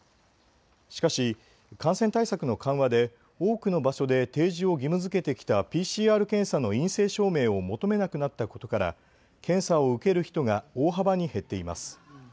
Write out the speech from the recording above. しかし感染対策の緩和で多くの場所で提示を義務づけてきたＰＣＲ検査の陰性証明を求めなくなったことから検査を受ける人が大幅に減っています。